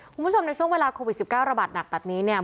คุณผู้ชมในช่วงเวลาโควิด๑๙ระบาดหนักแบบนี้เนี่ย